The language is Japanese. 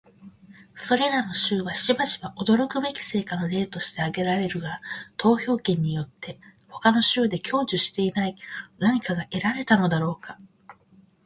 それらの州はしばしば驚くべき成果の例として挙げられるが、投票権によって他の州で享受していない何かが得られたのだろうか？